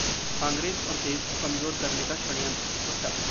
कांग्रेस और देश को कमजोर करने का षडयंत्र: हुड्डा